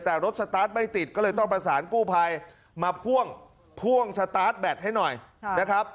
แต่รถสตาร์ทไม่ติดก็เลยต้องประสานกู้ภัยมาพ่วงพ่วงสตาร์ทแบตให้หน่อยนะครับ